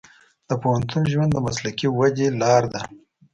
د پوهنتون ژوند د مسلکي ودې لار ده.